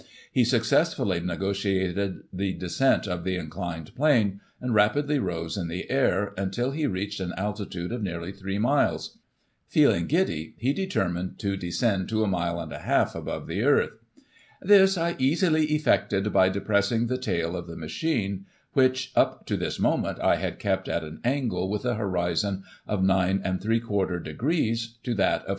He successfully nego tiated the descent of the inclined plane, and rapidly rose in the air, until he reached an altitude of nearly 3 miles. Feeling giddy, he determined to descend to a mile and a half 14* Digiti ized by Google 212 GOSSIP. [1843 above the earth. " This I easily effected by depressing the tail of the machine, which, up to this moment, I had kept at an angle with the horizon of 9^ degrees, to that of 45.